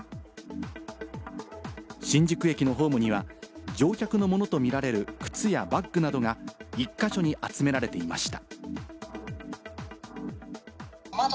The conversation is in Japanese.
新宿駅のホームには乗客たちのものとみられる靴やバッグなどが１か所に集められていました。